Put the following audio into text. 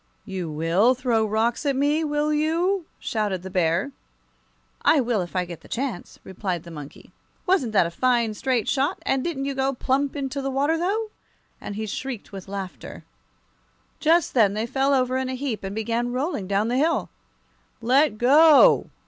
"You will throw rocks at me, will you?" shouted the Bear. "I will if I get the chance," replied the monkey. "Wasn't that a fine, straight shot? and didn't you go plump into the water, though?" and he shrieked with laughter. Just then they fell over in a heap, and began rolling down the hill. "Let go!"